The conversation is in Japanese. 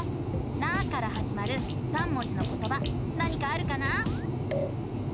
「な」からはじまる３文字のことば何かあるかな？